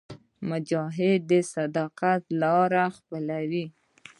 مجاهد د صداقت لاره خپلوي.